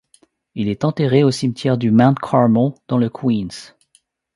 Il est enterré au cimetière du Mount Carmel dans le Queens.